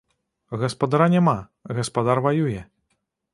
Гаспадара няма, гаспадар ваюе.